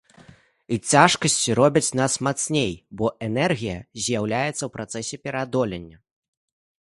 І цяжкасці робяць нас мацней, бо энергія з'яўляецца ў працэсе пераадолення.